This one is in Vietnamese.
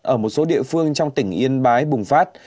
ở một số địa phương trong tỉnh yên bái bùng phát